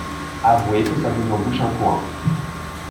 Avouez que ça vous en bouche un coin!